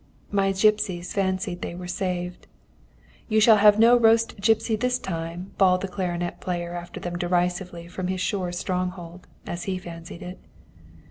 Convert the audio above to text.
"My gipsies fancied they were saved. "'You shall have no roast gipsy this time!' bawled the clarinet player after them derisively from his sure stronghold, as he fancied it.